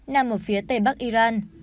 nằm ở phía tây bắc iran